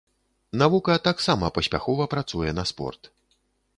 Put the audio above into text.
Навука таксама паспяхова працуе на спорт.